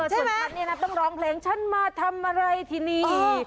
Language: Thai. ต้องร้องเพลงฉันมาทำอะไรทีนี้